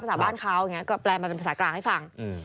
ภาษาบ้านเขาแปลมาเป็นภาษากลางให้ฟัง